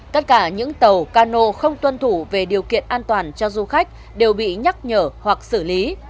tất cả những tàu cano không tuân thủ về điều kiện an toàn cho du khách đều bị nhắc nhở hoặc xử lý